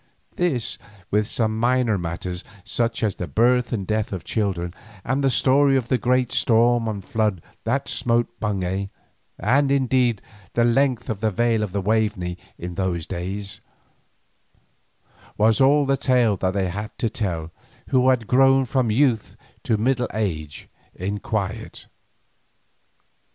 This, with some minor matters, such as the birth and death of children, and the story of the great storm and flood that smote Bungay, and indeed the length of the vale of Waveney in those days, was all the tale that they had to tell who had grown from youth to middle age in quiet.